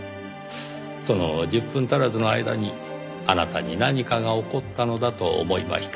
その１０分足らずの間にあなたに何かが起こったのだと思いました。